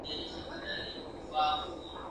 زه کولای سم تمرين وکړم؟